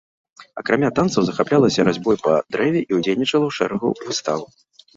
Акрамя танцаў захаплялася разьбой па дрэве і ўдзельнічала ў шэрагу выстаў.